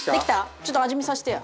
ちょっと味見させてや。